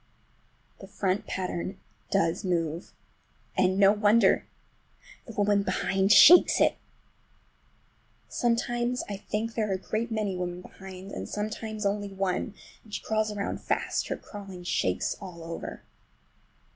The front pattern does move—and no wonder! The woman behind shakes it! Sometimes I think there are a great many women behind, and sometimes only one, and she crawls around fast, and her crawling shakes it all over.